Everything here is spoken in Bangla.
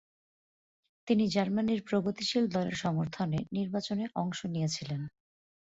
তিনি জার্মানির প্রগতিশীল দলের সমর্থনে নির্বাচনে অংশ নিয়েছিলেন।